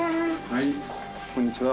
はいこんにちは。